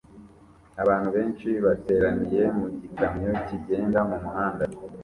Abantu benshi bateraniye mu gikamyo kigenda mu muhanda